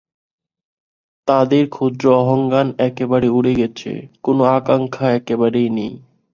তাঁদের ক্ষুদ্র অহংজ্ঞান একেবারে উড়ে গেছে, কোন আকাঙ্ক্ষা একেবারেই নেই।